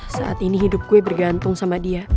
saat ini hidup kue bergantung sama dia